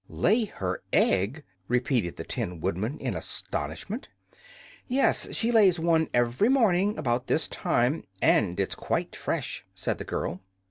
"Lay her egg!" repeated the Tin Woodman, in astonishment. "Yes; she lays one every morning, about this time; and it's quite fresh," said the girl.